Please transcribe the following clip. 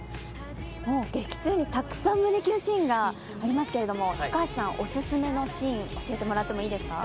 劇中にもたくさん胸キュンシーンがありますけど高橋さん、おすすめのシーン教えてもらってもいいですか。